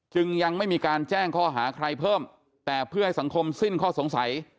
ยังไม่มีการแจ้งข้อหาใครเพิ่มแต่เพื่อให้สังคมสิ้นข้อสงสัย